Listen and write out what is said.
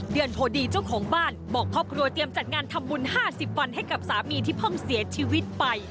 เดือนโพดีเจ้าของบ้านบอกครอบครัวเตรียมจัดงานทำบุญ๕๐วันให้กับสามีที่เพิ่งเสียชีวิตไป